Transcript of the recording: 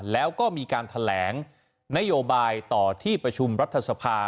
แล้วก็มีการแถลงนโยบายต่อที่ประชุมรัฐสภา